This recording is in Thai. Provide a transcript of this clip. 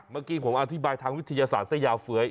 เมื่อกี้ผมอธิบายทางวิทยาศาสตร์ซะยาวเฟ้ย